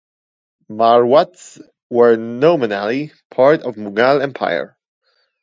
Marwats were nominally part of Mughal empire.